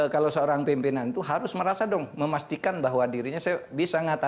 karena saya merasa tidak tersandera